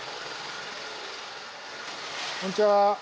こんにちは。